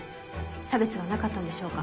差別はなかったんでしょうか？